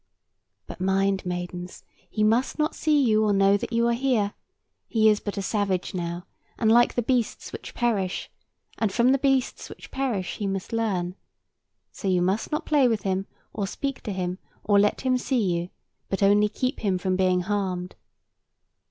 "But mind, maidens, he must not see you, or know that you are here. He is but a savage now, and like the beasts which perish; and from the beasts which perish he must learn. So you must not play with him, or speak to him, or let him see you: but only keep him from being harmed."